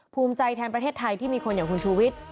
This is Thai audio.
ภูมิใจแทนประเทศไทยที่มีคนอย่างคุณชูวิทย์